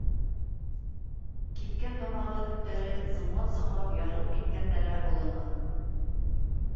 Кипкән тамағы төптәре зыңлап-зыңлап ярылып киткәндә лә олоно.